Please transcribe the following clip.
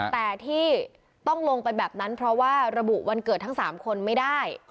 แต่ที่ต้องลงไปแบบนั้นเพราะว่าระบุวันเกิดทั้ง๓คนไม่ได้